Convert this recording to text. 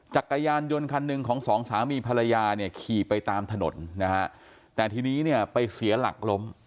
จักรยานยนต์คันหนึ่งของสองสามีภรรยาเนี่ยขี่ไปตามถนนนะฮะแต่ทีนี้เนี่ยไปเสียหลักล้ม